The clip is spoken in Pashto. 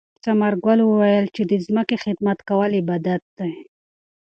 ثمر ګل وویل چې د ځمکې خدمت کول عبادت دی.